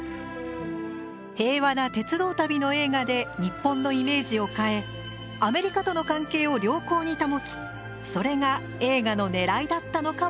平和な鉄道旅の映画で日本のイメージを変えアメリカとの関係を良好に保つそれが映画の狙いだったのかもしれません。